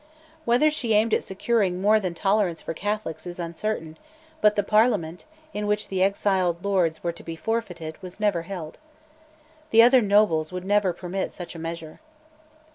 Whether she aimed at securing more than tolerance for Catholics is uncertain; but the Parliament, in which the exiled Lords were to be forfeited, was never held. The other nobles would never permit such a measure.